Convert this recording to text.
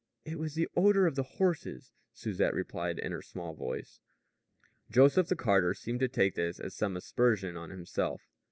"It was the odor of the horses," Susette replied in her small voice. Joseph the carter seemed to take this as some aspersion on himself.